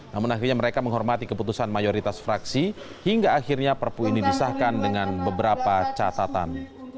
namun akhirnya mereka menghormati keputusan mayoritas fraksi hingga akhirnya perpu ini disahkan dengan beberapa catatan